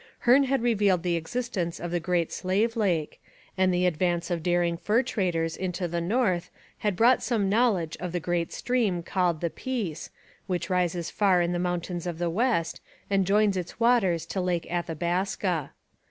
Hearne had revealed the existence of the Great Slave Lake, and the advance of daring fur traders into the north had brought some knowledge of the great stream called the Peace, which rises far in the mountains of the west, and joins its waters to Lake Athabaska.